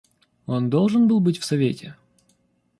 Он должен был быть в совете?